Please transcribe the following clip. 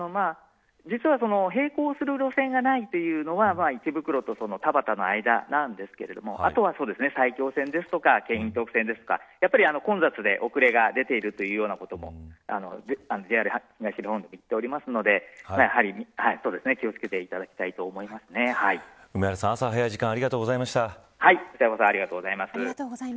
実は、並行する路線がないというのは池袋と田端の間なんですけれどもあとは埼京線ですとか京浜東北線ですとか混雑で遅れが出ているというようなこともＪＲ東日本は言っているのでやはり気を付けていただきたいと梅原さん、朝早い時間こちらこそありがとうございます。